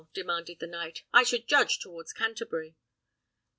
demanded the knight; "I should judge towards Canterbury."